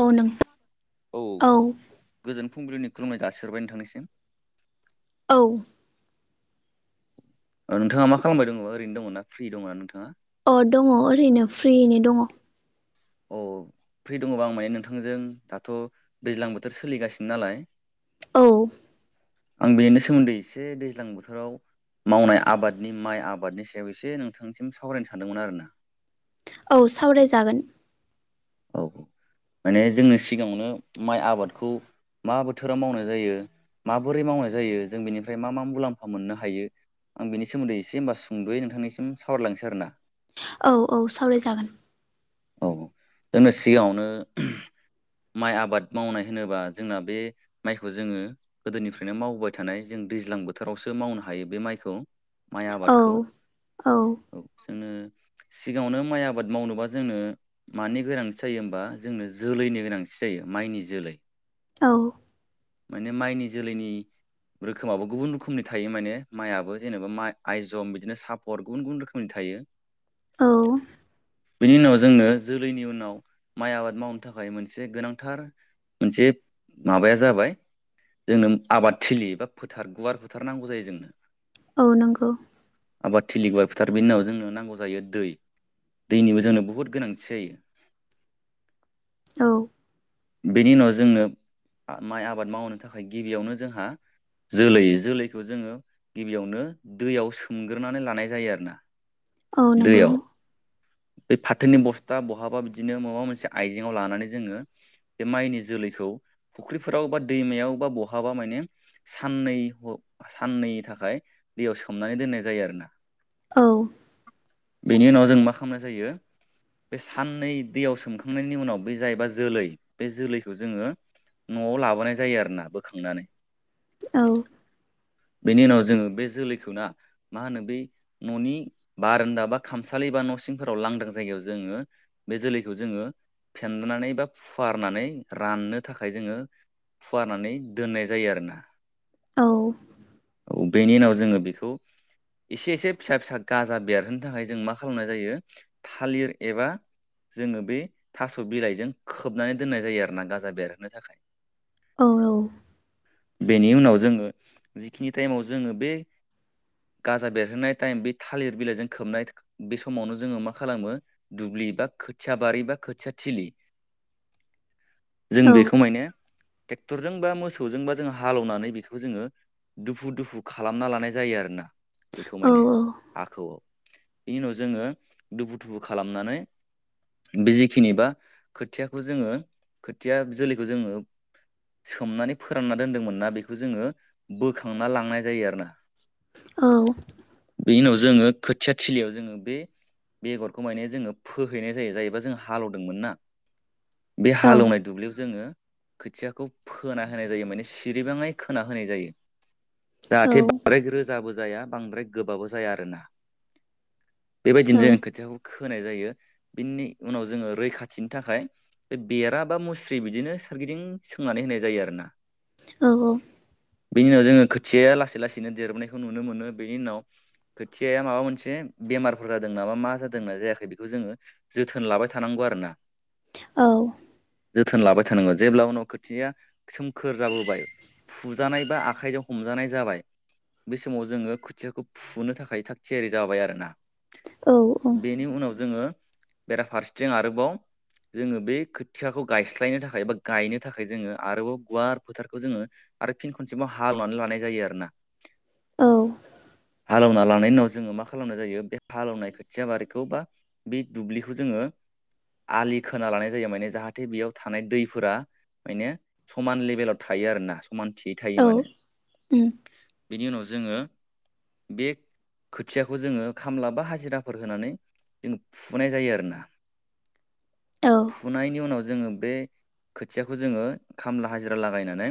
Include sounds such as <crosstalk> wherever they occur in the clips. औ नों औ गोजोन फुंबिलिनि खुलुमनाय जासिहरबाय नोंथांनिसिम। औ। औ नोंथाङा मा खालामबाय दङ ओरैनो दङना फ्रि दङ ना नोंथाङा? अ दङ ओरैनो फ्रियैनो दङ। अ फ्रि दंङबा आं माने नोंथांजों दाथ' दैज्लां बोथोर सोलिगासिनो नालाय <inaudible> आं बेनिनो सोमोन्दै एसे दैज्लां बोथोराव मावनाय आबादनि माइ आबादनि सायाव एसे नोंथांनिसिम सावरायनो सानदोंमोन आरोना। औ सावरायजागोन। औ औ माने जोंनो सिगाङावनो माइ आबादखौ मा बोथोराव मावनाय जायो माबोरै मावनाय जायो जों बेनिफ्राय मा मा मुलाम्फा मोननो हायो आं बेनि सोमोन्दै एसे होमबा सुंद'यै नोंथांनिसिम सावरायलांनोसै आरो ना? औ औ सावरायजागोन। औ जोंनो सिगाङावनो माइ आबाद मावनाय होनोबा जोंना बे माइखौ जोङो गोदोनिफ्रायनो मावबोबाय थानाय जों दैज्लां बोथोरावसो मावनो हायो बे माइखौ। माइ औ आबादखौ औ जोङो सिगाङावनो माइ आबाद मावनोबा जोंनो मानि गोनांथि जायो होमबा जोंनो जोलैनि गोनांथि जायो माइनि जोलै। औ। माने माइनि जोलैनि रोखोमाबो गुबुन रोखोमनि थायो माने माइआबो मा जेनेबा माइ आइजम बिदिनो सापर गुबुन गुबुन रोखोमनि था थायो। औ। बिनि उनाव जोंनो जोलैनि उनाव माइ आबाद मावनो थाखाय मोनसे गोनांथार मोनसे माबाया जाबाय जोंनो आबाद थिलि बा फोथार गुवार फोथार नांगौ जायो जोंनो। औ नंगौ। आबाद थिलि गुवार फोथार बेनि उनाव जोंनो नांगौ जायो दै दैनिबो जोंनो बुहुत गोनांथि जायो। औ। बेनि उनाव जोंनो आ माइ आबाद मावनो थाखाय गिबियावनो जोंहा जोलै जोलैखौ जोङो गिबियावनो दैयाव सोमग्रोनानै लानाय जायो आरो ना। औ नंगौ। बे फाथोनि बस्था बहाबा बिदिनो माबा मोनसे आइजेंआव लानानै जोङो बे माइनि जोलैखौ फुख्रिफोराव बा दैमायाव बा बहाबा माने साननै साननैनि थाखाय दैयाव सोमनानै दोननाय जायो आरोना। औ। बेनि उनाव जों मा खामनाय जायो? बे साननै दैयाव सोमखांनायनि उनाव बे जायबा जोलै बे जोलैखौ जोङो न'आव लाबोनाय जायो आरोना बोखांनानै। औ। बेनि उनाव जोङो बे जोलैखौ ना मा होनो बै न'नि बारानदा बा खामसालि बा न' सिं फोराव लांदां जायगाव जोङो बे जोलैखौ जोङो फेननानै बा फु फुवारनानै राननो थाखाय जोङो फुवारनानै दोननाय जायो आरोना। औ। औ बेनि उनाव जोङो बेखौ एसे एसे फिसा फिसा गाजा बेरहोनो थाखाय जों मा खालामनाय जायो थालिर एबा जोङो बे थास' बिलाइजों खोबनानै दोननाय जायो आरो ना गाजा बेरहोनो थाखाय। औ औ। बेनि उनाव जोङो जिखिनि टाइमाव जोङो बे गाजा बेरहोनाय टाइम बे थालिर बिलाइजों खोबनाय बे समावनो जोङो मा खालामो दुब्लि बा खोथिया बारि बा खोथिया थिलि जों औ बेखौ नंगौ माने ट्रेक्टरजों बा मोसौजों बा जों हालेवनानै बेखौ जोङो दुफु दुफु खालामना लानाय जायो आरोना बेखौ माने हाखौ। बेनि उनाव जोङो दुफु थुफु खालामनानै बे जिखिनि बा खो खोथियाखौ जोङो खोथिया जोलैखौ जोङो सोमनानै फोरानना दोनदोंमोन ना बेखौ जोङो बोखांना लांनाय जायो आरोना औ बेनि उनाव जोङो खोथिया थिलियाव जोङो बे बेगरखौ माने जोङो फोहैनाय जायो जायोबा जोङो हालेवदोंमोन ना बे हालेवनाय दुब्लियाव जोङो खोथियाखौ फोना होनाय जायो माने सिरिबाङै खोना होनाय जायो जाहाथे बांद्राय रोजाबो जाया बांद्राय गोबाबो जाया आरोना। बेबायदिनो जों खोथियाखौ गायो। होनाय जायो बिनि उनाव जोङो रैखाथिनि थाखाय बे बेरा बा मुस्रि बिदिनो सों सोरारगिदिं सोंनानै होनाय जायो आरो ना। औ औ। बेनि उनाव जोङो खोथियाया लासै लासैनो देरबनायखौ नुनो मोनो बेनि उनाव खोथियाया माबा मोनसे बेमारफोर जादों नामा मा जादोंना जायाखै बेखौ जोङो जोथोन लाबाय थानांगौ आरोना। औ। जोथोन लाबाय थानांगौ जेब्ला उनाव खोथिया सोमखोर जाबोबाय। फुजानाय बा आखाइजों हमजानाय जाबाय। बे समाव जोङो खोथियाखौ फुनो थाखाय थाग थियारि जाबाय आरो ना। बेनि उनाव जोङो बेराफारसेथिं आरोबाव जोङो बे खोथियाखौ गायस्लायनो थाखाय बा गायनो थाखाय जोङो आरोबाव गुवार फोथारखौ जोङो आरो फिन खनसेबाव हालेवनानै लानाय जायो आरो ना। औ। हालेवना लांनायनि उनाव जोङो मा खालामनाय जायो? बे हालौवनाय खोथिया बारिखौ बा बे दुब्लिखौ जोङो आलि खोना लानाय जायो माने जाहाथे बेयाव थानाय दैफोरा माने समान लेभेलाव थायो आरोना समानथियै थायो माने बेनि उनाव जों जोङो बे खोथियाखौ जोङो खामला बा हाजिराफोर होनानै जोंङ फुनाय जायो आरोना। फुनायनि उनाव जोङो बे खोथियाखौ जोङो खामला हाजिरा लागायनानै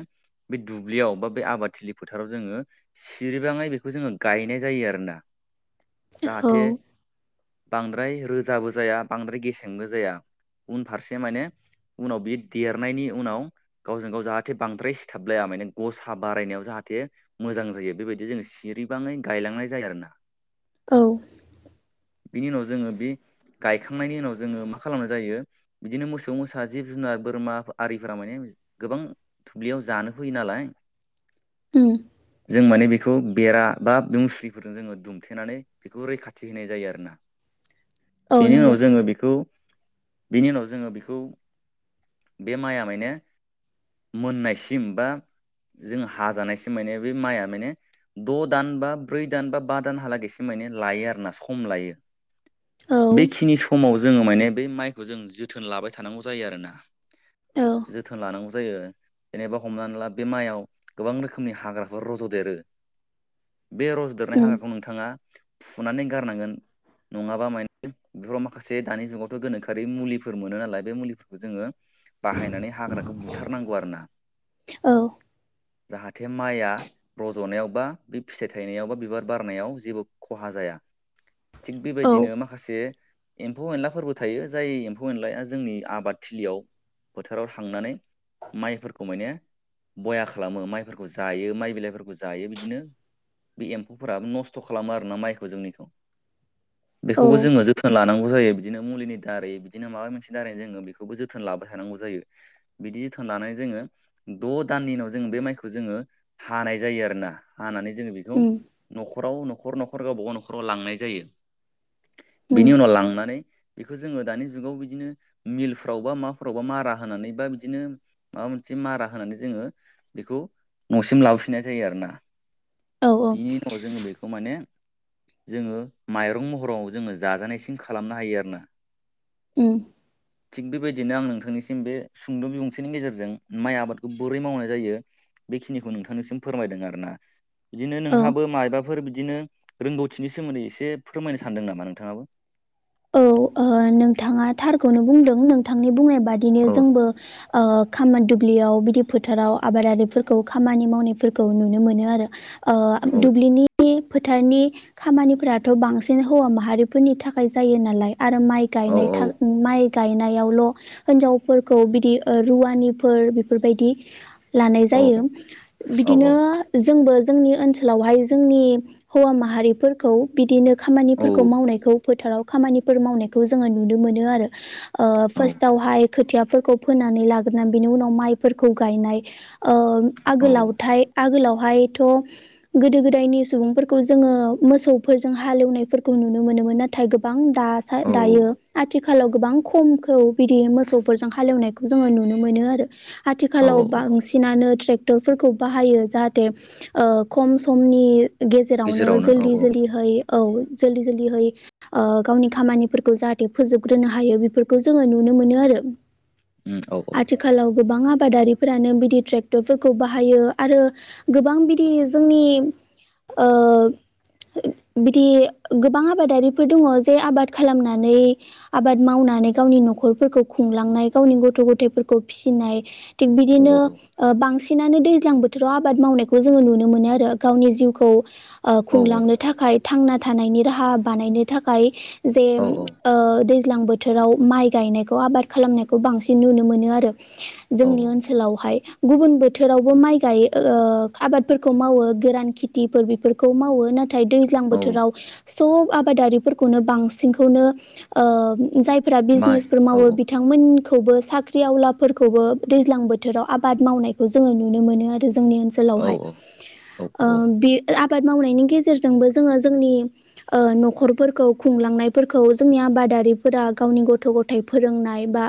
बे दुब्लियाव बा बे आबादथिलि फोथाराव जोङो सिरिबाङै बेखौ जोङो गायनाय जायो आरोना। <inaudible> जाहाथे बांद्राय रोजाबो जाया बांद्राय गेसेंबो जाया। उनफारसे माने उनाव बि देरनायनि उनाव गावजों गाव जाहाथे बांद्राय सिथाबलाया। माने गसा बारायनायाव जाहाथे मोजां जायो बेबायदि जों सिरिबाङै गायलांनाय जायो आरो ना। औ। बिनि उनाव जोङो बे गायखांनायनि उनाव जोङो मा खालामनाय जायो बिदिनो मोसौ मोसा जिब जुनार बोरमा आरिफोरा माने गोबां दुब्लियाव जानो फैयो नालाय। जों माने बेखौ बेरा बा बे मुस्रिफोरजों जोङो दुमथेनानै बेखौ रैखाथि होनाय जायो आरोना। बेनि उनाव जोङो बेखौ बेनि उनाव जोङो बेखौ बे माइआ माने मोननायसिम बा जों हाजानायसम माने बे माइआ माने द' दान बा ब्रै दान बा बा दान हालागैसि माने लायो आरो ना सम लायो औ बेखिनि समाव जोङो माने बे माइखौ जों जोथोन लाबाय थानांगौ जायो आरोना औ जोथोन लानांगौ जायो। जेनेबा हमनानै ला बे माइआव गोबां रोखोमनि हाग्राफोर रज'देरो। बे रजदेरनाय हाग्राखौ नोंथाङा फुनानै गारनांगोन। नङाबा माने बेफोराव माखासे दानि जुगावथ' गोनोखोआरि मुलिफोर मोनो नालाय बे मुलिफोरखौ जोङो बाहायनानै हाग्राखौ बुथारनांगौ आरो ना। औ। जाहाथे माइया रज'नायाव बा बे फिथाइ थाइनायाव बा बिबार बारनायाव जेबो खहा जाया थिग बेबायदिनो माखासे एम्फौ एनलाफोरबो थायो जाय एम्फौ एनलाया जोंनि आबाद थिलियाव फोथोराव थांनानै माइफोरखौ माने बया खालामो माइफोरखौ जायो माइ बिलाइफोरखौ जायो बिदिनो। बे एम्फौफोराबो नस्थ' खालामो आरो माइखौ जोंनिखौ, औ बेखौबो जोङो जोथोन लानांगौ जायो। बिदिनो मुलिनि दारै बिदिनो माबा मोनसे दारै जोङो बेखौ जोथोन लाबाय थानांगौ जायो बिदि जोथोन लानाय जा जोङो द' दाननि उनाव जों बे माइखौ जोङो हनाय जायो आरोना हानानै जोङो बेखौ न'खराव न'खर न'खर गावबा गाव न'खराव लांनाय जायो। औ बिनि उनाव लांनानै बेखो जोङो दानि जुगाव बिदिनो मिलफ्राव बा माफोरावबा मारा होनानै बा बिदिनो माबा मोनसे मारा होनानै जोङो बेखौ न'सिम लाबोफिननाय जायो आरोना। औ बिनि उनाव जोङो बेखौ माने जोङो माइरं महराव जोङो जाजानायसिम खालामनो हायो आरोना उम थिग बेबायदिनो आं नोंथांनिसिम बे सुंद' बिबुंथिनि गेजेरजों माइ आबादखौ बोरै मावनाय जायो बेखिनिखौ नोंथांनिसिम फोरमायदों आरो ना। बिदिनो औ नोंहाबो मायबाफोर बिदिनो रोंगौथिनि सोमोन्दै एसे फोरमायनो सानदों नामा नोंथाङाबो? औ ओ नोंथाङा थारखौनो बुंदों नोंथांनि बुंनाय बादिनो औ जोंबो ओ खामानि दुब्लियाव बिदि फोथाराव आबादारिफोरखौ खामानि मावनायफोरखौ नुनो मोनो आरो। ओ औ दुब्लिनि फोथारनि खामानिफोराथ' बांसिन हौवा माहारिफोरनि थाखाय जायो नालाय आरो माइ औ गायनाय था औ माइ गायनायावल' होनजावफोरखौ बिदि रुवानिफोर बेफोरबायदि लानाय औ जायो औ बिदिनो जोंबो जोंनि ओनसोलावहाय जोंनि हौवा माहारिफोरखौ बिदिनो औ खामानिफोरखौ मावनायखौ फोथाराव खामानिफोर मावनायखौ जोङो नुनो मोनो आरो ओ फार्स्ट आवहाय खोथियाफोरखौ फोनानै लाग्रोनानै बिनि उनाव माइफोरखौ गायनाय ओ औ आगोलावथाइ आगोलाव हायथ' गोदो गोदायनि सुबुंफोरखौ जोङो मोसौफोरजों हालेवनायफोरखौ नुनो मोनो मोन नाथाय गोबां औ दा-दायो आथि खालाव गोबां खमखौ बिदि मोसौफोरजों हालेवनायखौ जोङो नुनो मोनो आरो। औ आथिखालाव औ बांसिनानो ट्रेक्टरफोरखौ बाहायो जाहाथे ओ खम समनि गेजेरावनो औ जोल्दि औ जोल्दिहै औ जोल्दि जोल्दिहै ओ गावनि खामानिफोरखौ जाहाथे फोजोबग्रोनो हायो बेफोरखौ जोङो नुनो मोनो आरो। उम औ औ आथिखालाव गोबां आबादारिफोरानो बिदि ट्रेक्टरफोरखौ बाहायो आरो गोबां बिदि जोंनि ओ बिदि गोबां आबादारि फोर दङ जे आबाद खालामनानै आबाद मावनानै गावनि न'खरफोरखौ खुंलांनाय गावनि गथ' गथायफोरखौ फिसिनाय थि औ बिदिनो औ बांसिन सिनानो दैज्लां बोथोराव आबाद मावनायखौ जोङो नुनो मोनो आरो गावनि जिउखौ ओ औ खुंलांनो थाखाय थांना थानायनि राहा बानायनो थाखाय जे औ ओ दैज्लां बोथोराव माइ गायनायखौ आबाद खालामनायखौ बांसिन नुनो मोनो आरो। औ जोंनि ओनसोलावहाय गुबुन बोथोरावबो माइ गायो ओ आबादफोरखौ मावो गोरान खेथिफोर बेफोरखौ मावो ना थाइ दैज्लां औ बोथोराव सब आबादारि फोरखौनो बांसिनखौनो ओ जाय फोरा माइ बिजनेसफोर औ मावो औ बिथांमोन खौबो साख्रि आवलाफोरखौबो दैज्लां बोथोराव आबाद मावनायखौ जोंङो नुनो मोनो आरो। जोंनि औ ओनसोलावहाय औ ओ औ बे आ बाद मावनायनि गेजेरजोंबो जोंङो जोंनि न'खर फोरखौ खुंलांनाय फोरखौ जोंनि आबादारिफोरा गावनि गथ' गथाइ फोरोंनाय बा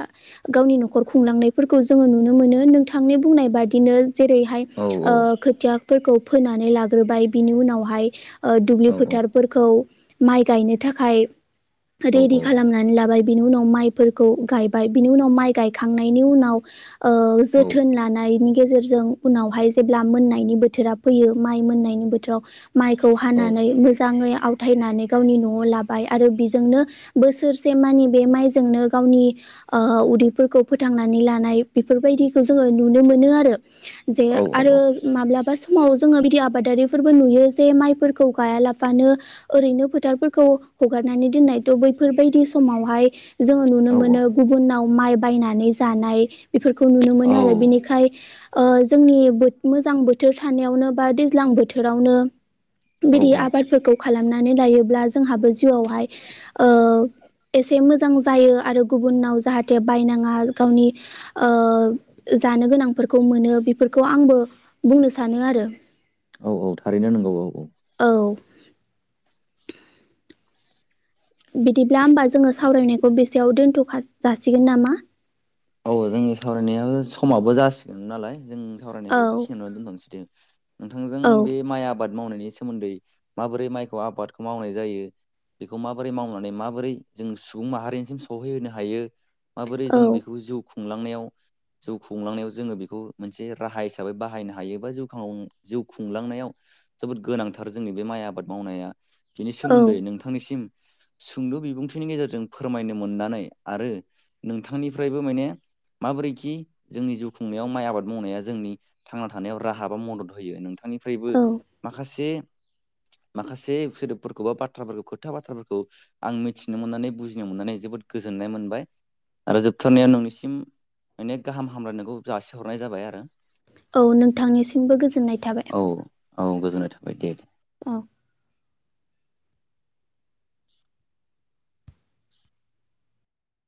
गाव नि नखर खुंलांनायफोरखौ जोंङो नुनो मोनो नोंथांनि बुंनाय बादिनो जेरैहाय औ ओ खोथियाफोरखौ फोनानै लाग्रोबाय बिनि उनावहाय ओ दुब्लि औ फोथारफोरखौ माइ गायनो थाखाय रेडि औ खालामनानै लाबाय बिनि उनाव माइफोरखौ गायबाय बिनि उनाव माइ गायखांनायनि उनाव औ जोथोन लानायनि गेजेरजों उनावहाय जेब्ला मोननायनि बोथोरा फैयो माइ मोननायनि बोथोराव माइखौ औ औ हानानै मोजांङै आवथायनानै गावनि नआव लाबाय आरो बेजोंनो बोसोरसे मानि बे माइजोंनो गावनि उदैफोरखौ फोथांनानै लानाय बेफोरबायदिखौ जोंङो नुनो मोनो आरो जे औ औ औ आरो माब्लाबा समाव जोंङो बिदि आबादारिफोरबो नुयो जे माइफोरखौ गायालाबानो ओरैनो फो थारफोरखौ हगारनानै दोननायथ बैफोरबायदि समावहाय जोंङो नुनो मोनो गुबुनाव माइ बायनानै जानाय बेफोरखौ नुनो मोनो आरो बेनिखाय जोंनि मोजां बोथोर थानायावनो बा दैज्लां बोथोरावनो औ बिदि आबादफोरखौ खालामनानै लायोब्ला जोंहाबो जिउआवहाय एसे मोजां जायो आरो गुबुनाव जाहाथे बायनाङा गावनि जानो गोनांफोरखौ मोनो बेफोरखौ आंबो बुंनो सानो आरो औ औ थारैनो नोंगौ औ औ बिदिब्ला होमबा जोंङो सावरायनायखौ बेसेयाव दोनथखा जासिगोन नामा औ जोंनि सावरायनाया समाबो जासिगोन नालाय जों औ सावरायनायखौ बेखिनिनानै दोनांसैदों नोंथांजों औ बे माइ आबाद मावनायनि सोमोन्दै माबोरै माइखौ आबादखौ मावनाय जायो बेखौ माबोरै मावनानै माबोरै जों सुबुं माहारिनिसिम सहैहोनो हायो माबोरै औ जों बेखौ जिउ खुंलांनायाव जिउ खुंलांनायाव जोंङो बेखौ मोनसे राहा हिसाबै बाहायनो हायो बाउ जिउ खुंलांनायाव जोबोद गोनांथार जोंनि बे माइ आबाद मावनाया बेनि औ सोमोन्दै नोंथांनिसिम सुंद बिबुंथिनि गेजेरजों फोरमायनो मोननानै आरो नोंथांनि फ्रायबो माने माबोरैखि जोंनि जिउ खुंनायाव माइ आबाद मावनाया जोंनि थांना थानायाव राहा बा मदद होयो नोंथां थांनिफ्रायबो औ माखासे <inaudible> माखासे सोदोबफोरखौ बा बाथ्राफोरखौ खोथा बाथ्राफोरखौ आं मिथिनो मोननानै बुजिनो मोननानै जोबोद गोजो गोजोननाय मोनबाय आरो जोब थारनाया नोंनिसिम माने गाहाम हामलायनायखौ जासिहरनाय जाबाय आरो औ नोंथांनिसिमबो गोजोननाय थाबाय औ औ गोजोननाय थाबाय दे औ